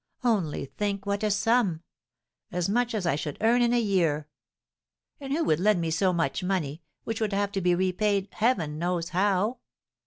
Only think what a sum, as much as I should earn in a year! And who would lend me so much money, which would have to be repaid heaven knows how?